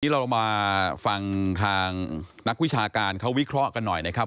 เรามาฟังทางนักวิชาการเขาวิเคราะห์กันหน่อยนะครับ